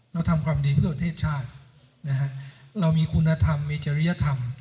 เราทำความดีเพื่อประเทศชาตินะฮะเรามีคุณธรรมมีจริยธรรม